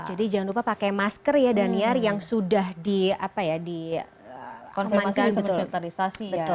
jadi jangan lupa pakai masker ya daniar yang sudah dikonfirmasi konfirmasi dan konfirmisasi ya